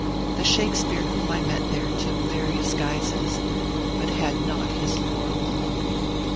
The Shakespeare whom I met there took various guises, but had not his laurel on.